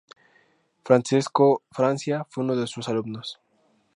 Francesco Francia fue uno de sus alumnos.